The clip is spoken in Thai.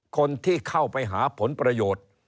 คนที่เข้าไปหาผลประโยชน์